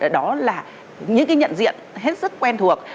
đó là những cái nhận diện hết sức quen thuộc